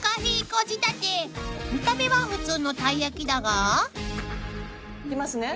［見た目は普通のたい焼きだが］いきますね。